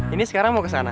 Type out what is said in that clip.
ini sekarang mau ke sana